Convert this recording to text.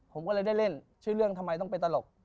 ผมก็เลยได้เล่นชื่อเรื่องทำไมต้องเป็นตลก